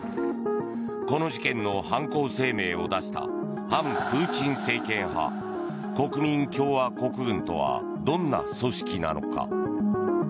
この事件の犯行声明を出した反プーチン政権派国民共和国軍とはどんな組織なのか。